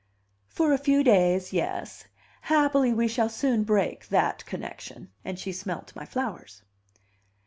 "For a few days, yes. Happily we shall soon break that connection." And she smelt my flowers.